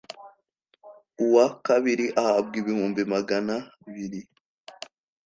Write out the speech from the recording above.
uwa kabiri ahabwa ibihumbi magana abiri